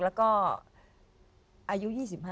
แล้วก็อายุ๒๕